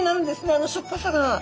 あのしょっぱさが。